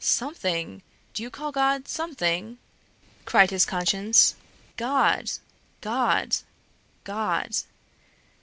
"Something! Do you call God something?" cried his conscience. "God! God! God!..."